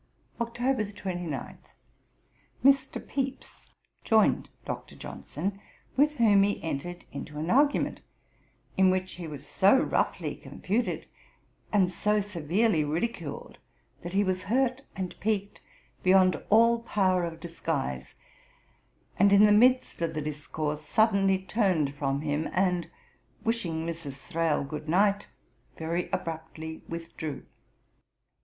"' Mme. D'Arblay's Diary, ii. 161. 'Oct. 29. Mr. Pepys joined Dr. Johnson, with whom he entered into an argument, in which he was so roughly confuted, and so severely ridiculed, that he was hurt and piqued beyond all power of disguise, and, in the midst of the discourse, suddenly turned from him, and, wishing Mrs. Thrale goodnight, very abruptly withdrew.